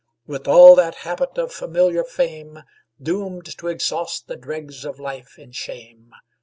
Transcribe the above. With all that habit of familiar fame, Doomed to exhaust the dregs of life in shame!